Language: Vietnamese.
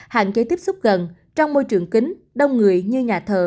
hạn chế tiếp xúc gần trong môi trường kính đông người như nhà thờ